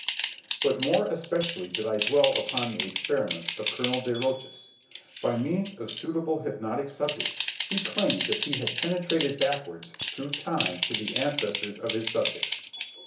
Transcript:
But more especially did I dwell upon the experiments of Colonel de Rochas. By means of suitable hypnotic subjects he claimed that he had penetrated backwards through time to the ancestors of his subjects.